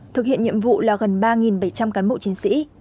thực hiện nhiệm vụ là gần ba bảy trăm linh cán bộ chiến sĩ